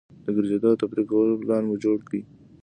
د ګرځېدو او تفریح کولو پلان مو جوړ کړ.